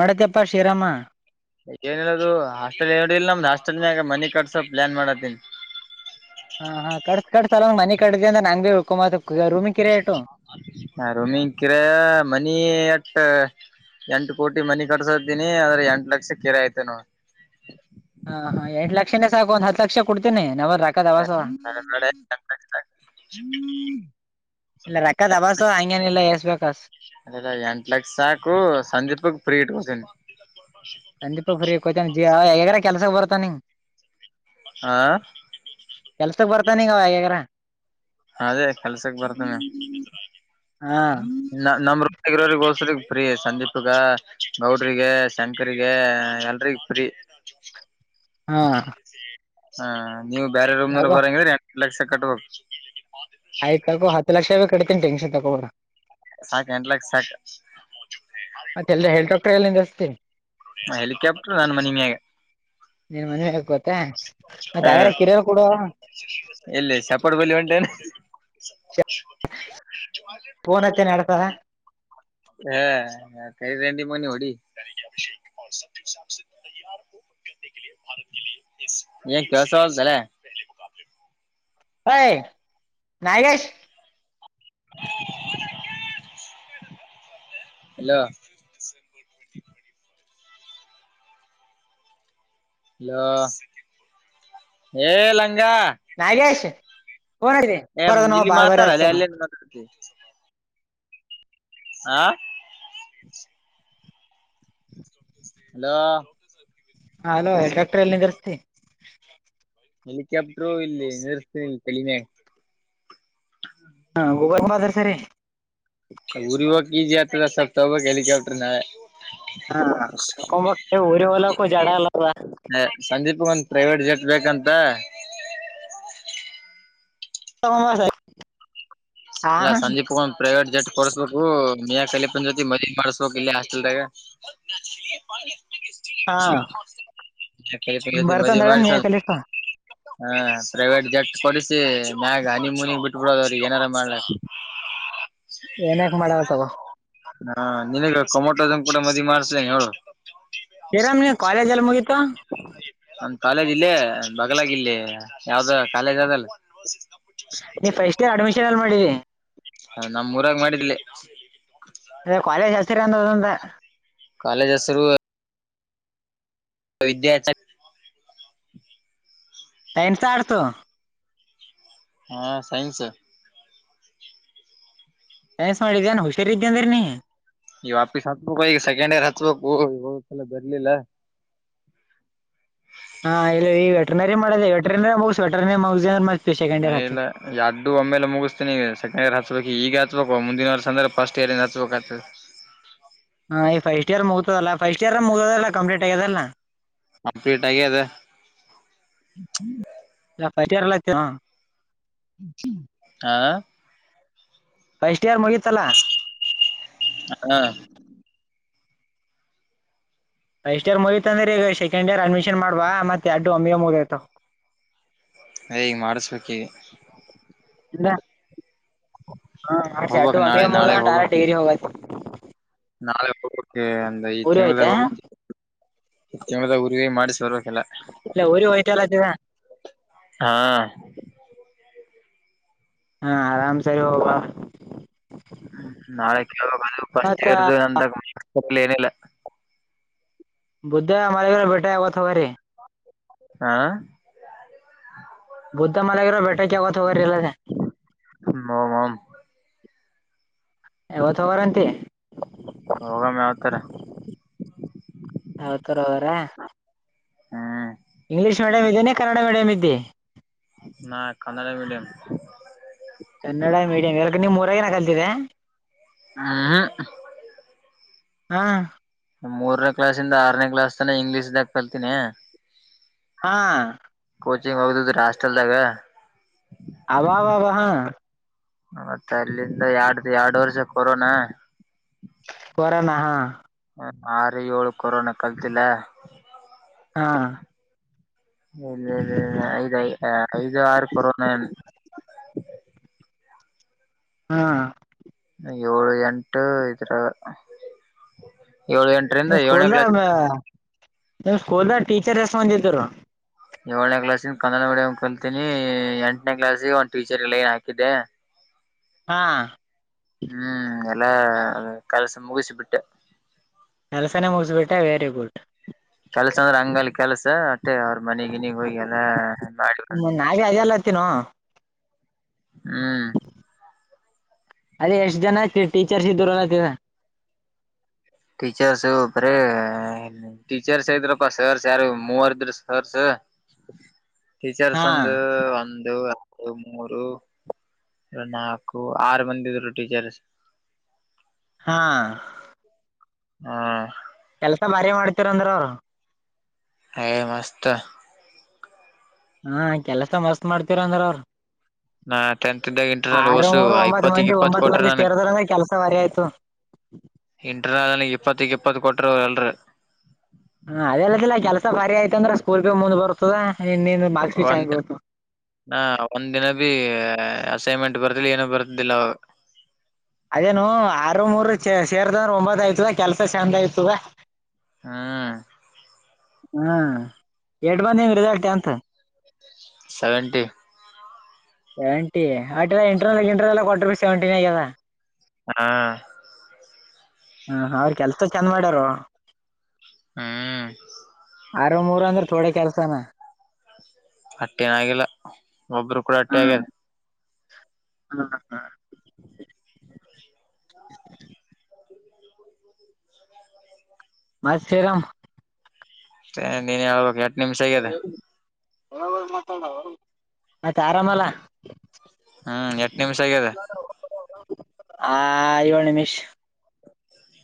ನೋಡತಪ್ಪಾ ಶ್ರೀರಾಮ ಏನಿರದು ಹ ಎರಡು ಇ ನಮ್ದ ಹಾಸ್ಟೆಲ್ ಮ್ಯಾಗ ಮನಿ ಕಟ್ಸೋ ಪ್ಲಾನ್ ಮಾಡತ್ತಿನಿ ಹಾ ಹಾ ಕಡಸ ಕಟ್ಸ ಸ ಅವ ಮಿ ಕ್ದ ಅ ನಂಗ ಭ ಬಿ ಉಳ್ಕೊ ಹ ರೂಮಿ ಕಿರಾಯ ಮನಿ ಅಟ್ ಎಂಟು ಕೋಟಿ ಮನಿ ಕಟ್ಸ್ದೀನಿ ಆದ್ರೆ ಎಂಟು ಲಕ್ಷ ಕಿರಾಯ ಐತೆ ನೋ ಹಾ ಹಾ ಎಂಟ ಲಕ್ಷನೇ ಸಾಕು ಒಂದ್ ಹತ್ ಲಕ್ಷ ಕೊಡ್ತೇನಿ ನಮ್ಮಬಲಿ ರೂಕ್ಕದಬಾಸ ಅವ ಹ್ಮ ಇಲ್ಲ ರಕ್ಕದಬಾರ್ಸ ಹಂಗೇನಿಲ್ಲ ಎಸ ಬೇಕಾಸ ಅ ಎಂಟ ಲಕ್ಷ ಸಾಕು ಸಂದೀಪ್ ಫ್ರೀ ಇಟ್ಕೋತೀವಿ ಸಂದೀಪ ಫ್ರೀ ಕೊಯ್ತಾನ ಎನರ ಕೆಲಸಕ್ಕೆ ಬರತ್ತಾನಂಗ ಆ. ಕೆಲ್ಸಕ್ ಬರ್ತಾನಿಗ ಅವ್ಯಗಾರ. ಅದೇ ಕೆಲ್ಸಕ್ ಬರ್ತಾನ ಹಾ ನಮ ರಗರೋಸ್ರ. ಫ್ರೀ ಸಂದೀಪ್ಗ ಗೌಡ್ರಿಗೆ ಶಂಕರಿಗೆ ಎಲ್ರಿಗ ಫ್ರೀ. ಸ್. [inaudible] ಹಾ. ಹಾ ನೀವು ಬೇರೆ ರೂಮ್ನಲ್ಲಿ ಯಾಗೋ ಬರಂಗಿದ್ರೆ ಎಂಟ ಲಕ್ಷ ಕಟ್ಬೇಕು. ಆಯ್ತ ತಕೋ ಹತ್ತು ಲಕ್ಷೇ ಕಡ್ತೀ ಟೆನ್ಶನ್ ತಗೋಬೇಡ ಸಾಕ್ ಎಂಟ್ ಲಕ್ಷ ಸಾಕ್ ಮತ್ತೆ ಎಲ್ಲ ಹೆಲಿಕ್ಯಾಪ್ಟರ್ ಎಲ್ಲಂದಸ್ತ. ಹೆಲಿಕಾಪ್ಟರ್ ನಾನ್ ಮನಿ ಮ್ಯಾಗ. ನೀನ್ ಮನ್ವಿ ಹಗ್ ಗೊತ್ತ ಹಾ ಎಲ್ಲಿ ಸಪಾಡು ಬಲ್ಲಿ ಹೊಂಟೇನೆ. ಫೋನ್ ಹತ್ತೀನಿ ಎರಡು ಸಲ ಆ ಕ ರೆಂಡಡಿ ಮೊನ್ನೆ ಹೊಡಿ. [unintelligible] [inaudible] ಏ ಕಲ್ಸ ಜಲೇ. [unintelligible] ಐ ನಾಗೇಶ್. [inaudible] ಹಲೋ. ಹಲೋ ಏಲ ನಾಗೇಶ್. ಫೋನ್ ಏ ಬರದ ನಾವು ಇಲ್ಲಿ ಬಾರಿ ಬಾರಿ ಮಾತಾಡಲ್ಲೆ ಹಸ್ತಾನ ಅಲ್ಲೆ ಮಾತಾಡ್ತಿ ಆ. ಹಲೋ. ಆ ಹಲೋ ಎಕ್ಟ್ರ ಎಲ್ಲಿ ನಿಧಸ್ತಿ. ಹೆಲಿಕಾಪ್ಟರುೂ ಇಲ್ಲಿ ನರ್ಸ್ತನಿಲ್ಲ ನಿನ್ ತಲಿಮ್ಯಾಗ್ ಹಾ ಗ್ರ ಸರಿ. [unintelligible] ಊರಿಗೆ ಹೋಗು ಈಜಿ ಆಗ್ತದ ಸಪ್ತ ಹೆಲಿಕಾಪ್ಟರ್ ನ. ಹ ಊರಿ ಹೊಲಕ್ಕೂ ಜಡ ಅಲ್ಲ. ಹ ಸಂದೀಪ್ ಒಂದ ಪ್ರೈವೇಟ್ ಜಟ್ ಬೇಕಂತ. ತಗೊಸಯಿ ಇಲ್ಲ ಸಂಂದೀಪ್ ಪ್ರೈವೇಟ್ ಜೆಟ್ ಕೊರ್ಸ್ಬೇಕು ಮ. ಸಲಪನ್ ಜೊತಿ ಮದುವೆ ಮಾಡಸ್ಬೇಕಕ್ ಇಲ್ಲಿ ಹಾಸ್ಟೆಲ್ದಾಗ. ಹಾ ನಮ್ ಸಂದೀಪ್ ಜೋತಿ ಮದ್ವಿ ಬರ್ತಂದಳ ಮೇ ಮಾಡಿರ್ಸನ್ ಕಲಿಕ ಹ ಪ್ರೈವೇಟ್ ಜಟ್ ಕೊಡಿಸಿ ಮ್ಯಾಗ ಹನಿ ಮುನಿಗ್ ಬಿಟ್ಬಡೋದ ಅವ್ರಗ್ ಏನಾರ ಮಾಡ್ಲ. ಎನಕ ಮಾಡಾವತಗೊ ಹಾ ನಿನಗ ಕೊಮೋಟೋಸಮ್ ಕೂಡ ಮದಿ ಮಾಡ್ಸ ಹೇಳ. ಇರಾಮ್ ನೀ ಕಾಲೇಜ ಎಲ್ಲಿ ಮುಗೀತಾ. ನನ್ ಕಾಲೇಜ್ ಇಲ್ಲೇ ಬಗ್ಲಾಗಿಲ್ಲಿ ಯಾವ್ದ ಕಾಲೇಜ್ ಅದಲ್ಲ. ನೀ ಫಸ್ಟ್ ಇಯರ್ ಅಡ್ಮಿಷನ್ ಎಲ್ಲಿ ಮಾಡಿದಿ. ಹ ನಮೂಊರಾಗ ಮಾಡಿದ್ಲೇ ಅದ ಕ್ವಲೇಜ್ ಹೆಸರಿನದ ಅಂದ. ಕಾಲೇಜ್ ಹೆಸರುವ ವಿದ್ಯಾ ಚ ಟೈನ್ಸು ಆರ್ಟ್ಸ್ ಹಾ ಸೈನ್ಸ್. ಸೈನ್ಸ್ ಮಾಡಿದ್ಯಾ ಏನ್ ಹುಷಾರ ಇದಿದ್ದ ಅಂದ್ರೀ ನೀ. ಈ ವ್ಯಾಪಿಸಿತ್ತು ಹತ್ತುಬೇಕ್ ಈ ಸೆಕೆಂಡ್ ಏರ್ ಹಚುವಕು ಇಲ್ಲ ಧರಲಿಲ್ಲ. [inaudible] ಟರ್ನರಿ ಮಾಡದೆ ವೆಟರ್ನೇಗು ವೆಟರನರಿ ಮುಗಿಸು. ಇಲ್ಲ ಎಡ್ಡು ಒಮ್ಮೆಲೆ ಮುಗಿಸ್ತೀನಿ ಸೆಕಂಡರ್ ಹ. ಹಚ್ ಈಗ ಹತ್ಬೇಕು ಮುಂದಿನವರ್ ಸಂದ್ರ ಫಸ್ಟ್ ಏಯರ್ ಇಂದ ಹಚ್ಬೇಕತದೆ ಹಾ ಈ ಫಸ್ಟ್ ಇಯರ್ ಮುಗತದಲ್ಲ ಫಸ್ಟ್ ಇಯರ್ ಮುಗದಲ್ಲಾ ಕಂಪ್ಲೀಟ್ ಆಗ್ಯದಲ್ಲ ಅಪ್ಡೇಟ್ ಆಗ್ಯದ ಯಪ್ಪಟರತ ಆ ಹಾ ಫಸ್ಟ್ ಇಯರ್ ಮುಗಿತ್ತಲ್ಲ ಹಾ ಫಸ್ಟ್ ಇಯರ್ ಮುಗತತ್ ಅಂದ್ರ ಈಗ ಸೆಕೆಂಡ್ ಇಯರ್ ಅಡ್ಮಿಷನ್ ಮಾಡ್ ಮತ್ತೆ ಎರಡು ಒಮ್ಮೆಗೆ ಮುಗಿಯುತ್ತೆ ಏ ಮಾಡಿಸಬೇಕು ಈಗ ಇಲ್ಲ ಹಾ ಮಾಡಿಸಿ ಎರಡು ಹೋಗ್ಬಕ್ ನಾಳೆ ಒಮ್ಮೆಗೆ ನಾಳೆ ಮುಗಿತ್ತಂದ್ರೆ ಹೋಗ್ಬಕ್ ಈಗ ಡೈರೆಕ್ಟ್ ಹೋಗೈತಿ ನಾಳೆ ಹೋಗಬೇಕುಈ ಊರಿ ತಿಂಳದಾಗ ಹೋಯ್ತೆ ಹೋಗಬೇಕು ಈ ತಿಂಳಾದಾಗ ಊರಿಗೆ ಮಾಡಿಸಿ ಬರಬೇಕು ಎಲ್ಲಾ ಇಲ್ಲ ಊರಿ ಹೋಯ್ತಲ್ಲ ತಿದ ಹಾ ಹಾ ಆರಾಮ್ ಸರಿ ಹೋಗುವ ಹ್ಮ ನಾಳೆ ಕೆೇಳವಾಗದು ಫಸ್ಟ್ ಮತ್ತ ಇರ್ದು ಅಂದಾಗಲಿ ಏನಿಲ್ಲ ಬುದ್ಧ ಮಲಗಿರೋ ಬೆಟ್ಟ ಯಾವತ್ತು ಹೊಗರಿ ಆ ಬುದ್ಧ ಮಲಾಗಿರೋ ಬೆಟ್ಟಕೇ ಯಾವತ್ತು ಹೊಗರಿ ಇವತ್ತು ಹೋಗಾರಂತಿ ಹೋಗಮ್ ಯಾವತರ [unintelligible] ಹ್ಮ್ ಇಂಗ್ಲೀಷ್ ಮೀಡಿಯಂ ಇದನನೆ ಕನ್ನಡ ಮೀಡಿಯಂ ಇದ್ದೆ ನಾನ್ ಕನ್ನಡ ಮೀಡಿಯಂ ನಿಮ್ಮ ಊರಾಗನ ಕಲ್ತಿದೆ ಹ ಹಾ ಮೂರನೇ ಕ್ಲಾಸ್ಂದ ಆರನೇ ಕ್ಲಾಸ್ ತನ ಇಂಗ್ಲೀಷ್ದಾಗ ಕಲ್ತೀನಿ ಹಾ ಕಚಿಂಗ್ ಹೋಗದಿದ್ರೆ ಹಸ್ಟೆಲ್ದಾಗ ಅವ್ವಾ ಅವ್ವಾ ಮತ್ತ ಅಲ್ಲಿಂದ ಎರಡ್ ಎರಡು ವರ್ಷ ಕೊರೋನಾ ಕಾರೋಣ ಆರು ಏಳು ಕೊರೋನಾ ಕಲ್ತಿಲ್ಲ ಹಾ ಐದ ಐ ಐದು ಆರು ಕೊರೋನ ಹಾ ಏಳು ಎಂಟು ಇದ್ರಾಗ ಏಳು ಎಂಟರಿಂದ ಏಳನೇ ಕ್ಲಾಸ್ ನಿಮ್ಮ ಸ್ಕೂಲ್ ನಾಗ ಟೀಚರ್ ಎಷ್ಟು ಮಂದಿ ಇದ್ದರೂ ಏಳನೇ ಕ್ಲಾಸ್ಯಿಂದ ಕನ್ನಡ ಮೀಡಿಯಂ ಕಲ್ತೀನಿ ಎಂಟನೇ ಕ್ಲಾಸ್ ಗೆ ಒಂದು ಟೀಚರ್ ಲೈನ್ ಹಾಕಿದ್ದೆ [inaudible] ಹಾ ಹ್ಮ್ ಎಲ್ಲಾ ಕೆಲಸ ಮುಗಿಸಿ ಬಿಟ್ಟೆ ಕೆಲಸನೇ ಮುಗಿಸಿಬಿಟ್ಟ ವೆರಿ ಗುಡ್ ಕೆಲ್ಸ ಅಂದ್ರೆ ಅಂಗಲ ಕೆಲಸ ಮತ್ತೆ ಅವ್ರ ಮನೆಗಿನಿಗೆ ಹೋಗಿ ಎಲ್ಲ ಮಾಡ ನಾವೇ ಅದಲ್ಲತ್ತಿನೋ ಹ್ಮ್ ಅಲ್ಲಿ ಎಷ್ಟು ಜನ ಟೀಚರ್ಸ್ ಇದ್ರು ಟೀಚರ್ಸ್ ಬಾರಿ ಟೀಚರ್ಸ್ ಇದ್ರಪ್ಪ ಸರ್ ಯಾರು ಮೂವರ್ದ್ರ ಸರ್ಸ್ ಟೀಚರ್ಸ್ ಹಾ ಒಂದು ಒಂದು ಎರಡು ಮೂರು ನಾಲ್ಕು ಆರು ಮಂದಿ ಇದ್ರು ಟೀಚರ್ಸ್ ಹಾ ಹ್ಮ. ಕೆಲ್ಸ ಭಾರಿ ಮಾಡ್ತಿರಂದ್ರ. ಏ ಮಸ್ತ. ಹಾ ಕೆಲಸ ಮಸ್ತ ಮಾಡ್ತೀರಾ ಅಂದ್ರು ಅವ್ರು ನಾ ಟೆಂತ್ ಇದ್ದಾಗ ಇಂಟರ್ನಲ್ ಆರು ಓಸು ಮೂರು ಒಂಬತ್ ಇಪ್ಪತ್ತಗ್ ಮಂದಿ ಇಪ್ಪತ್ ಒಂಬತ್ ಮಂದಿ ಸೇರ್ದ್ರ ಅಂದ್ರೆ ಕೆಲ್ಸ ವರಿ ಆಯ್ತು. ಇಂಟ್ರನಾದಲ್ಲಿ ಇಪ್ಪತ್ತಕ್ ಇಪ್ಪತ್ತು ಕೊಟರು ಎಲ್ರು. ಹ ಅದೆೇಲ್ಲತ್ತಲ್ಲ ಕೆಲ್ಸ ಬರಿ ಆಯ್ತ ಅಂದ್ರ ಸ್ಕೂಲ್ ಬಿ ಮುಂದ್ ಬರ್ತದ. ನಿನ್ನ ಮಾರ್ಕ್ಸ್ ಬಿ ಒಂದ ಚೆನ್ನಾಗಿ ದಿನ ಬೀಳ್ತು ನಾ ಒಂದ ದಿನದಿ. ಅಸೈನ್ಮೆಂಟ್ ಬರ್ದಿಲ್ಲ ಏನೂ ಬರ್ದದಿಲ್ಲ ಅವ. ಅದೇನು ಆರು ಮೂರು ಸೇರ್ದಂದ್ರೆ ಒಂಬತ್ತು ಆಯ್ತವ ಕೆಲಸ ಚೆಂದ ಇರ್ತತ. ಹಾ. ಹ್ಮ ಎಷ್ಟು ಬಂದಿದೆ ರಿಸಲ್ಟ್ ಅಂತ. ಸೆವೆಂಟಿ. ಸೆವೆಂಟಿ ಆಟ ಇಂಟರ್ನಲ್ ಇಂಟರ್ನಲ್ ಕೊಟ್ರ ಸೆವೆಂಟಿ ನ ಆಗ್ಯದ. ಹಾ. ಹ ಅವ್ರ ಕೆಲ್ಸ ಚಂದ ಮಾಡ್ಯಾರೂ. ಹ್ಮ. ಆರ ಮೂರ್ ಅಂದ್ರೆ ಥೋಡೆ ಕೆಲ್ಸನಾ. ಅಟ್ಟೆನ ಆಗಿಲ್ಲ ಒಬ್ಬರು ಅಟ್ಟೆ ಆಗ್ಯಾರ. ಹಾ ಹಾ. [inaudible] ಮತ್ತೆ ಏನು. ನಿ ಹೇಳ್ಬೇಕು ಎಲ್ ಕೆಲಸ ಆಗಿದೆ. [inaudible] ಮತ್ತೆ ಆರಾಮಲ್ಲ. ಹ್ಮ್ ಎಷ್ಟು ನಿಮಿಷ ಆಗಿದೆ. ಏಳು ನಿಮಿಷ.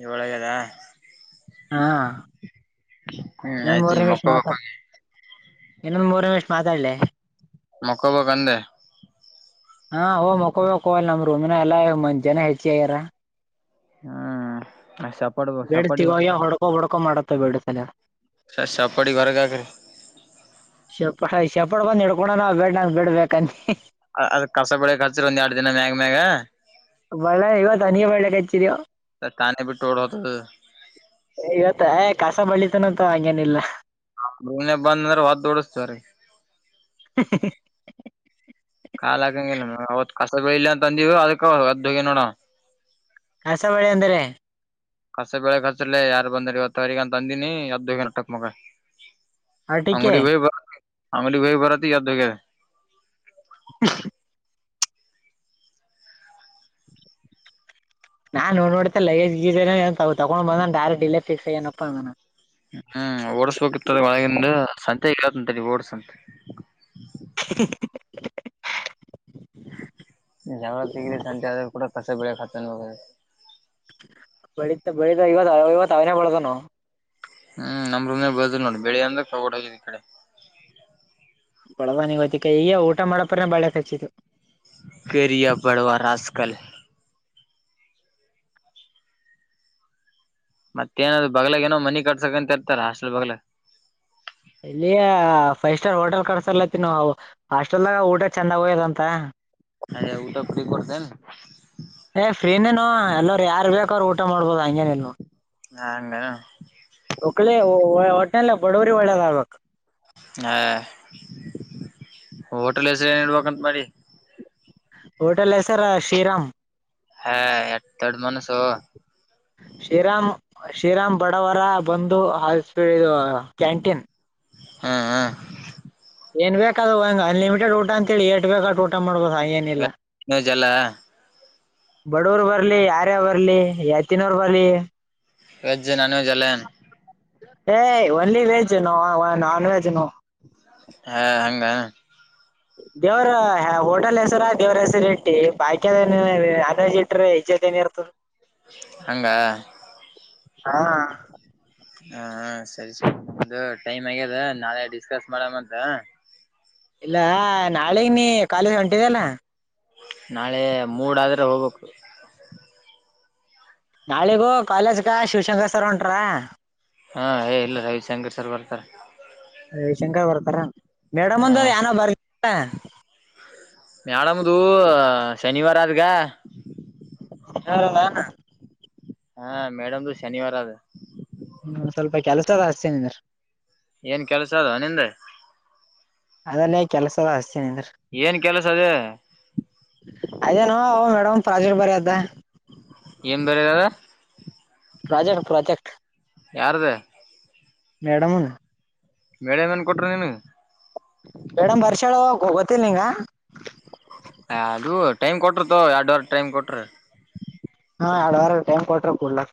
ಏಳು ಆಗಿದ. ಹಾ ಹ್ಮ್ ಇನ್ ಆಯ್ತು ಮೂರ ಈಗ ನಿಮಿಷ್ ಮಕ್ಕೋಬೇಕು ಮಾತನಾಡು. ಇನ್ನೊಂದ ಮೂರು ನಿಮಿಷ ಮಾತಾಡ್ಲೆ. ಮಕ್ಕೊ ಬೇಕಂದೆ ಹಾ ಓ ಮಕ್ಕೋ ಕೋಲ್ ನಮ್ ರೂಮ್ ನಾಗ ಎಲ್ಲ ಮಂ ಜನ ಹೆಚ್ಚ ಆಗ್ಯಾರ. ಹ್ಮ್. ಸಪಾಟ್ ಬೇಡ ಸಪಾಟಿ ತಿಗಾಗ ಹೊಡ್ಕೋ ಹೊಡ್ಕೊ ಮಾಡತ್ತ ಬೇಡ ತಲ. [unintelligible] ಸ ಸಪ್ಪಡಿ ಹೊರಗಕ್ರೀ. ಸಪ್ಪಡಿ ಬಂದು ಹಿಡ್ಕೊಂಡಣ ನಾವು ಬೇಡ ನ ಬಿಡ್ಬೇಕಂತಿ. ಅದ್ ಕಸ ಬೆಳ ಹಚ್ಚಿರ ಒಂದ್ ಎರಡು ದಿನ ಮ್ಯಾಗ ಮ್ಯಾಗ. ಒಳ್ಳೆ ಇವತ್ತು ಅನಿ ಬಳ್ಳೆಕ್ ಅಚ್ಚಿದೆಯೋ. ಸ ಕಾನೆ ಬಿಟ್ಟು ಓಡೋಯ್ತು. ಇವತ್ತ ಏ ಕಸ ಬಳ್ಳಿತನಂತ ಹಂಗೇನಿಲ್ಲಾ. ನನ್ ರೂಮ್ ಯಾಕ್ ಬಂದಂತ ಒದ್ದೋಡುಸ್ತೀವ್ರಿ [inaudible] ಕಾಲ ಹಾಕಂಗಿಲ್ಲ ಅವತ್ ಕಸಗಳು ಇಲ್ಲ ಅಂತ ಅಂದಿವವು ಅದಕ್ಕ ಕದ್ದು ಹೋಗೆ ನೋಡ. ಕಸ ಬಳೆ ಅಂದರೆ. ಕಸ ಬೆಳೆಗ್ ಕಸರ್ಲ ಯಾರು ಬಂದ್ರ ಇವತ್ತವರೆಗ ಅಂತ ಅಂದಿನಿ ಎದ್ದ ಹೋಗ್ಯಾನ ನಟಕ್ ಮಗ. ಹಟಿಕೆ. ಹಮೇಲ್ಲಿ ಬರೋ ಹೊತ್ತಿಗೆ ಎದ್ದೋ ಗ್ಯಾನ ಹ. ನಾ ನೋ ನೋಡತ ಲೈೇಜ ಗೀ ತಗೊಂಡ್ ಬಂದ ಡೈರೆಕ್ಟ್ ಲ್ಲೇ ಫಿಕ್ಸ್ ಹಾಗೇನಪ್ಪ. ಹ್ಮ್ ಅಂತ ಹೊಡ್ಸು ಅಂತೆ. [inaudible] ಜಾವರ ಸಂತ ಆದ ಕೂಡ ಕಸ ಬೆಳ ಹತನ ವರ [unintelligible] ಬೆಳಿತ ಬೆಳಿತ ಇವತ್ತು ಇವತ್ತು ಅವನೇ ಬಳ್ದಾನ ನ ಹ್ಮ್ ನಮ್ರಂದ ಬದ ನೋಡಿ ಬೆಳಿ ಅಂದ ಓಡೋಗ್ಯಾನ ಈ ಕಡೆ ಬಳವಾನಿಗ ಗೋತ್ತಿಕ ಈಗ ಊಟ ಮಾಡಪ್ರ ಬಾಳೆ ಹಚ್ಚಿತು ಕರಿಯ ಬಡವಾ ರಾಸ್ಕಲ್ ಮತ್ತೇಏನಾದ ಬಗ್ಲಾಗ ಏನೋ ಮನಿ ಕಟ್ಸಕಂತ ಇರ್ತಾರ ಅಸ್ಲ್ ಬಗ್ಲ ಇಲ್ಲಿಯ ಫೈವ್ ಸ್ಟಾರ್ ಹೋಟೆಲ್ ಕಡಸರ್ಲೈತಿ ನೀ ಹಾಸ್ಟೆಲ್ದಾಗ ಊಟ ಚೆಂದಾಗ ಹೋಯ್ಯದಂತ ಅಲ್ಲಿ ಊಟ ಪ್ರೀ ಕೊಡುತ್ತಾರೆ ಏನು ಏ ಫ್ರೀನೇನು ಎಲ್ಲಾರ ಯಾರ ಬೇಕ ಅವ್ರು ಊಟ ಮಾಡ್ಬೋದು ಹಂಗೇನ ಇಲ್ಲ ನೋಡು [unintelligible] ಹೊಟ್ಟೆನಲಿ ಬಡವರಿ ಒಳ್ಳೆದಾಗಬೇಕು ಹಾ ಹೋಟೆಲ್ ಹೆಸರು ಏನು ಇಡಬೇಕು ಅಂತ ಮಾಡಿ ಹೋಟಲ್ ಹೆಸರು ಶ್ರೀರಾಾಮ್ ಹೇ ದೊಡ್ಡು ಮನಸ್ಸು ಹೋ ಶ್ರೀರಾಮ್ ಶ್ರೀರಾಮ್ ಬಡವರ ಬಂದು ಇದು ಕ್ಯಾಂಟೀನ್ ಹಾ ಹಾ ಏನ್ ಬೇಕ ಅದು ಒಂಗ ಅನ್ಲಿಮಿಟೆಡ್ ಊಟ ಅಂತ ಹೇಳಿ ಎಸ್ಟು ಬೇಕು ಅಷ್ಟು ಊಟ ಮಾಡಬೋದು ಆಗೇನು ಇಲ್ಲ [unintelligible] ಬಡವರ್ ಬರ್ಲಿ ಯಾರೇ ಬರ್ಲಿ ಯತಿನೂರ್ ಬರ್ಲಿ ವೆಜ್ಜು ನಾನ್ ವೆಜ್ ಎಲ್ಲಾ ಏನು ಹೇ ಓನ್ಲಿ ವೆಜ್ ನಾನ್ವೆೆಜ್ ನೋ ಹಾ ಹಂಗ ದೇವ್ರ ಹೋಟೆಲ್ ಹೆಸರ ದೇವ್ರ ಹೆಸರಿ ಇಟ್ಟಿ ಬಾಕಿದ [unintelligible] ಹಂಗ ಹಾ ಹ ಸರಿ ಸರಿ ಟೈಮ್ ಆಗ್ಯದ ನಾಳೆ ಡಿಸ್ಕಸ್ ಮಾಡನಂತ ಇಲ್ಲ ನಾಳಗೆ ನೀ ಕಾಲೇಜ್ ಹೊಂಟಿದೇನು ನಾಳೆ ಮೂಡ ಆದ್ರೆ ಹೋಗ್ಬೇಕು ನಾಳೆಗೂ ಕಾಲೇಜ್ಕ ಶಿವಶಂಕರ್ ಸರ್ ಹೊಂಟ್ರ ಹೇ ಇಲ್ಲಲೆ ರವಿಶಂಕರ್ ಸರ್ ಬರ್ತಾರೆ ರವಿಶಂಕರ್ ಬರ್ತರ ಮೇಡಮ್ ಹಾ ಅಂದ ಯಾರು ಬರಲಿಲ್ಲ ಮೇಡಂದು ಶನಿವಾರ ಆದಗ ಹೌದೆನು ಹಾ ಮೇಡಮ್ದು ಶನಿವಾರ ಅದ ಹ್ಮ ಸ್ವಲ್ಪ ಕೆಲ್ಸ ಇದೆ ಅಚುತೀನಿ ನಿದ್ರು ಏನ್ ಕೆಲ್ಸ ಅದ್ ನಿಂದೆ ಅದಲೆ ಕೆಲಸದ ಹಚ್ತೀನಿ ಅಂದ್ರ. ಏನ್ ಕೆಲಸ ಅದೇ ಅದೇ ಲೋ ಮೇಡಮ್ ಪ್ರಾಜೆಕ್ಟ್ ಬರೆಯದು ಏನ್ ಬರೆಯೋದು ಪ್ರಾಜೆಕ್ಟ್. ಪ್ರಾಜೆಕ್ಟ್ ಯಾರದ ಮೇಡಂ ಮೇಡಂ ಏನು ಕೊಟರು ನೀನು ಮೇಡಮ್ ಬರ್ಸ್ಯಾಳ [unintelligible] ಅದು ಟೈಮ್ ಕೋಟರ ತಗೋ ಎರಡು ವಾರ ಟೈಮ್ ಕೊಟಾರ ಹಾ ಎರಡು ವಾರ ಟೈಮ್ ಕೊಟ್ರ ಕುಡ್ಲ